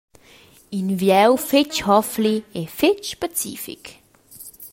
In vieu fetg hofli e fetg pacific.